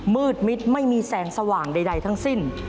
มืดมิดไม่มีแสงสว่างใดทั้งสิ้น